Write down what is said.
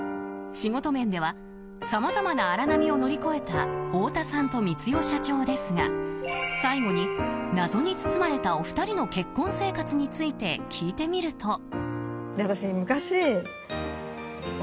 仕事面ではさまざまな荒波を乗り越えた太田さんと光代社長ですが最後に謎に包まれた、お二人の結婚生活について聞いてみると。